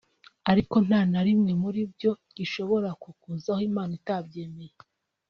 ariko nta na kimwe muri byo gishobora kukuzaho Imana itabyemeye